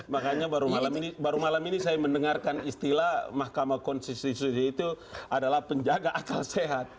makanya baru malam ini saya mendengarkan istilah mahkamah konstitusi itu adalah penjaga akal sehat